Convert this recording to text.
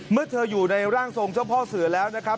เมื่อเธออยู่ในร่างทรงเจ้าพ่อเสือแล้วนะครับ